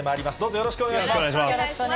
よろしくお願いします。